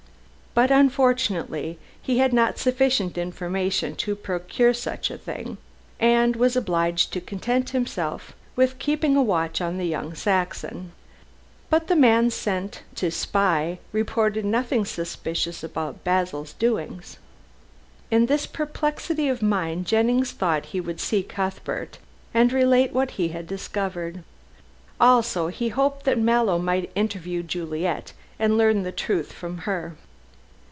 But, unfortunately, he had not sufficient information to procure such a thing, and was obliged to content himself with keeping a watch on young Saxon. But the man sent to spy reported nothing suspicious about Basil's doings. In this perplexity of mind Jennings thought he would see Cuthbert and relate what he had discovered. Also he hoped that Mallow might interview Juliet and learn the truth from her.